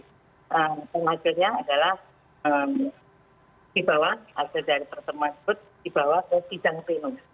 dan hasilnya adalah dibawa hasil dari pertemuan tersebut dibawa ke tijang penang